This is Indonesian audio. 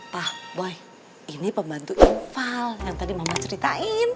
pak boy ini pembantu infal yang tadi mama ceritain